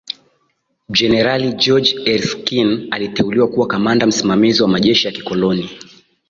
Jenerali George Erskine aliteuliwa kuwa kamanda msimamizi wa majeshi ya kikoloni